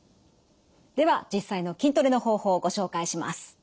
では実際の筋トレの方法をご紹介します。